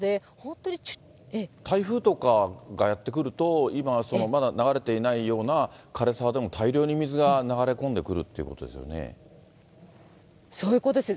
台風とかがやって来ると、今、まだ流れていないような枯れ沢でも大量に水が流れ込んでくるといそういうことです。